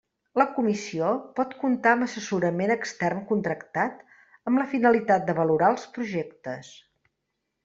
La Comissió pot comptar amb assessorament extern contractat amb la finalitat de valorar els projectes.